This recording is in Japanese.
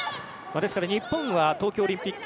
ですから日本は東京オリンピック